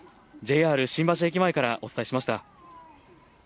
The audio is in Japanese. ＪＲ新橋駅前からお伝えしました。